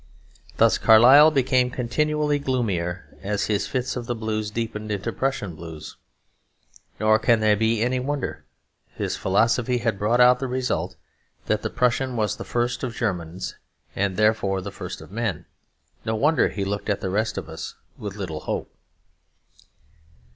Thus Carlyle became continually gloomier as his fit of the blues deepened into Prussian blues; nor can there be any wonder. His philosophy had brought out the result that the Prussian was the first of Germans, and, therefore, the first of men. No wonder he looked at the rest of us with little hope.